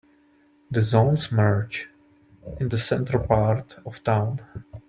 The zones merge in the central part of town.